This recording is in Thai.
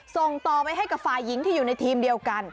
ส่งต่อไปให้กับฝ่ายหญิงที่อยู่ในทีมเดียวกัน